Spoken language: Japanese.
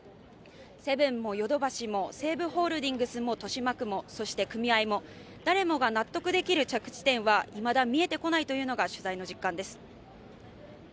セブンもヨドバシも西武ホールディングスも豊島区もそして組合も、誰もが納得できる着地点はいまだ見えてこないというのが取材の実感です。